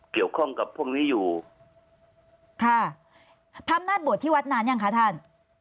เกี่ยวข้องกับพวกนี้อยู่ค่ะพระอำนาจบวชที่วัดนานยังคะท่าน